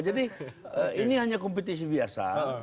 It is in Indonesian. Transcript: jadi ini hanya kompetisi biasa